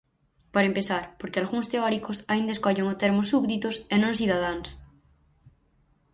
Para empezar, porque algúns teóricos aínda escollen o termo súbditos e non cidadáns.